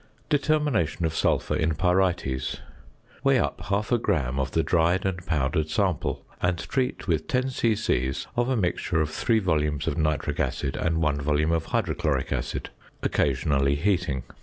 ~Determination of Sulphur in Pyrites.~ Weigh up half a gram of the dried and powdered sample, and treat with 10 c.c. of a mixture of 3 volumes of nitric acid and 1 volume of hydrochloric acid, occasionally heating.